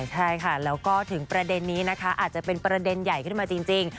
ใช่ค่ะแล้วก็ถึงประเด็นนี้นะคะอาจจะเป็นประเด็นใหญ่ขึ้นมาจริง